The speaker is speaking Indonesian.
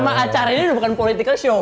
acara ini bukan politika show